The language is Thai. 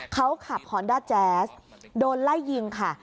เขาขับฮอนด้าแจ๊สโดนไล่ยิงค่ะ